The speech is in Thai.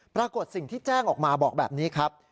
ปรากฏสิ่งที่แจ้งออกมาบอกแบบนี้ครับ